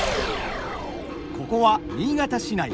ここは新潟市内